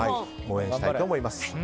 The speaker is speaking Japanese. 応援したいと思います。